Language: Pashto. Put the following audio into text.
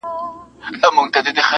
په يوازي ځان قلا ته ور روان سو،